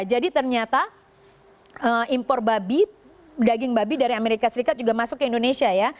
jadi ternyata impor babi daging babi dari amerika serikat juga masuk ke indonesia ya